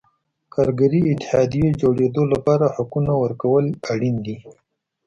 کارګري اتحادیو جوړېدو لپاره حقونو ورکول اړین دي.